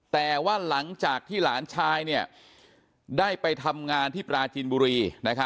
แต่ว่าหลังจากที่หลานชายได้ไปทำงานที่ปราจีนบุรี